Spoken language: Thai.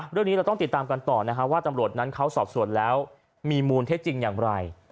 เรื่องนี้เราต้องติดตามกันต่อนะฮะว่าตำรวจนั้นเขาสอบส่วนแล้วมีมูลเท็จจริงอย่างไร